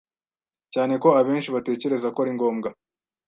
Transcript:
cyane ko abenshi batekereza ko aringombwa